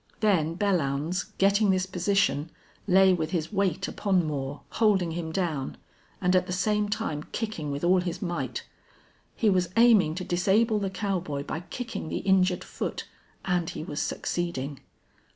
Then Belllounds, getting this position, lay with his weight upon Moore, holding him down, and at the same time kicking with all his might. He was aiming to disable the cowboy by kicking the injured foot. And he was succeeding.